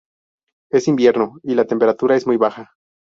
Es invierno y la temperatura es muy baja.